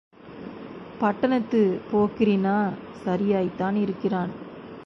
பட்டணத்துப் போக்கிரின்னா சரியாய்த்தான் இருக்கிறான்...!